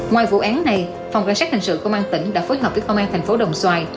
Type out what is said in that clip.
ngoài vụ án này phòng cảnh sát hình sự công an tỉnh đã phối hợp với công an thành phố đồng xoài